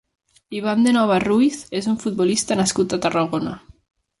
Iván de Nova Ruiz és un futbolista nascut a Tarragona.